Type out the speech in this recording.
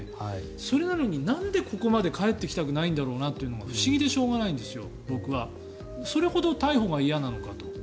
それなのに、なんでここまで帰ってきたくないんだろうなというのが不思議でしょうがないんですよ